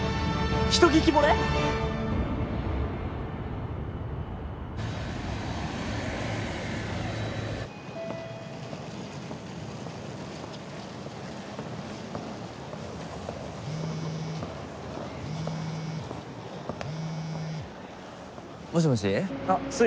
ひと聞き惚れ？もしもし？あっ粋？